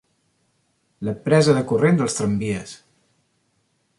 La presa de corrent dels tramvies.